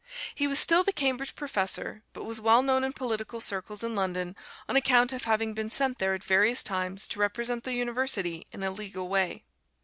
He was still the Cambridge professor, but was well known in political circles in London on account of having been sent there at various times to represent the University in a legal way.